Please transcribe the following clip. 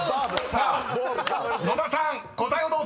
［さあ野田さん答えをどうぞ］